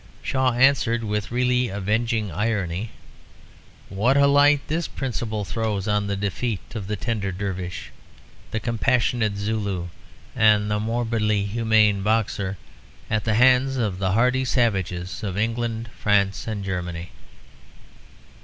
Shaw answered with really avenging irony, "What a light this principle throws on the defeat of the tender Dervish, the compassionate Zulu, and the morbidly humane Boxer at the hands of the hardy savages of England, France, and Germany."